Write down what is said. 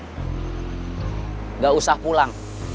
enggak usah pulang